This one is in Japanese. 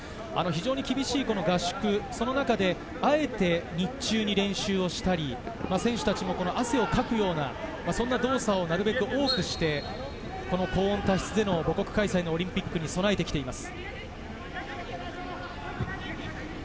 厳しい合宿の中で、あえて日中に練習をしたり、選手たちも汗をかくようなそんな動作をなるべく多くして、高温多湿での母国開催のオリンピックに備えてきています。